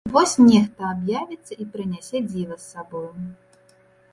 Вось нехта аб'явіцца і прынясе дзіва з сабою.